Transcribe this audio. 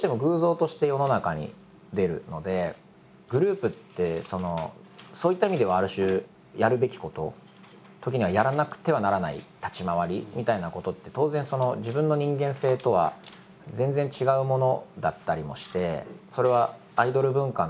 どうしてもグループってそういった意味ではある種やるべきこと時にはやらなくてはならない立ち回りみたいなことって当然自分の人間性とは全然違うものだったりもして。